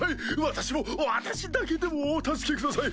私も私だけでもお助けください。